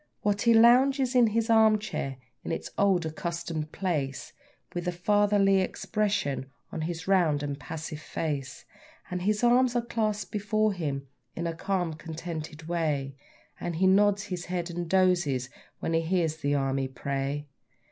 Watty lounges in his arm chair, in its old accustomed place, With a fatherly expression on his round and passive face; And his arms are clasped before him in a calm, contented way, And he nods his head and dozes when he hears the Army pray.